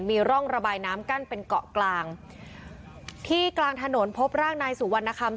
มีร่องระบายน้ำกั้นเป็นเกาะกลางที่กลางถนนพบร่างนายสุวรรณคำ